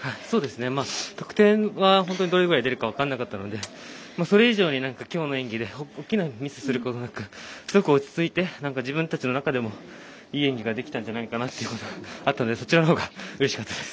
得点は本当どれぐらい出るか分からなかったのでそれ以上に、きょうの演技で大きなミスをすることなくすごく落ち着いて自分たちの中でもいい演技ができたんじゃないかなというのがあったのでそちらのほうがうれしかったです。